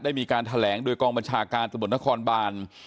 มีการแถลงโดยกองบัญชาการตำรวจนครบาน